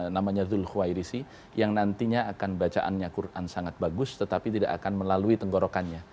namanya zul huwairisi yang nantinya akan bacaannya quran sangat bagus tetapi tidak akan melalui tenggorokannya